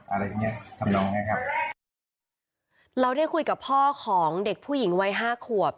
อะไรอย่างเงี้ยทำน้องเนี้ยครับเราได้คุยกับพ่อของเด็กผู้หญิงวัยห้าขวบ